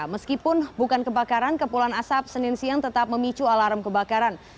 meskipun bukan kebakaran kepulan asap senin siang tetap memicu alarm kebakaran